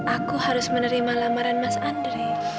aku harus menerima lamaran mas andre